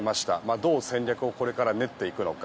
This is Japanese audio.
どう戦略をこれから練っていくのか。